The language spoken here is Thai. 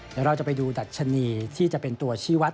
เดี๋ยวเราจะไปดูดัชนีที่จะเป็นตัวชี้วัด